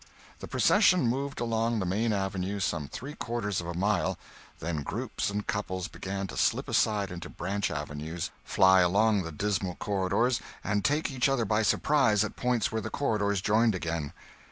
The procession moved along the main avenue some three quarters of a mile, and then groups and couples began to slip aside into branch avenues, fly along the dismal corridors, and take each other by surprise at points where the corridors joined again.